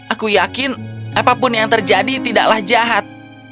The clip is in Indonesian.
aku yakin apapun yang terjadi tidaklah jahat